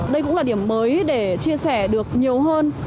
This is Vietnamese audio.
đây cũng là điểm mới để chia sẻ được nhiều hơn